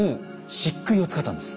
しっくいを使ったんです。